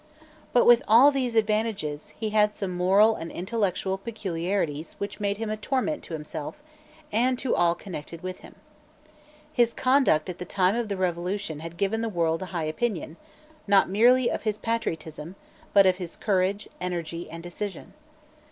But, with all these advantages, he had some moral and intellectual peculiarities which made him a torment to himself and to all connected with him. His conduct at the time of the Revolution had given the world a high opinion, not merely of his patriotism, but of his courage, energy and decision.